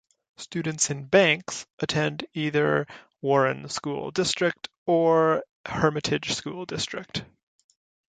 Students in Banks attend either Warren School District or Hermitage School District.